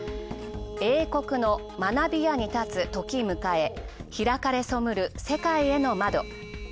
英国の学び舎に立つ時迎へ開かれそむる世界への窓。